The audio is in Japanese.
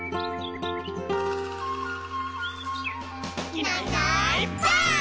「いないいないばあっ！」